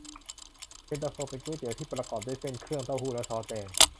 เย็นตาโฟเป็นก๋วยเตี๋ยวที่ประกอบด้วยเส้น เครื่องเต้าหู้ และซอสแดง